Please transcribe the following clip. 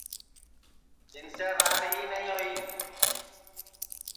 جنسے راڑ ہی نائی ہوئی